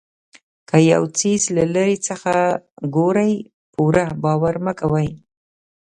که یو څیز له لرې څخه ګورئ پوره باور مه کوئ.